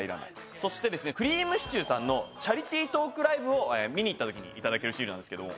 そしてくりぃむしちゅーさんの『チャリティトークライブ』を見に行った時に頂けるシールなんですけども。